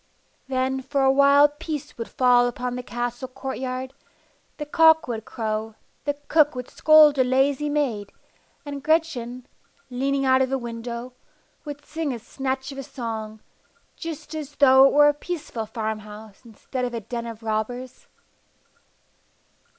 Then for a while peace would fall upon the castle courtyard, the cock would crow, the cook would scold a lazy maid, and Gretchen, leaning out of a window, would sing a snatch of a song, just as though it were a peaceful farm house, instead of a den of robbers.